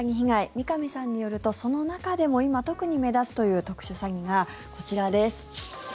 三上さんによるとその中でも今、特に目立つという特殊詐欺がこちらです。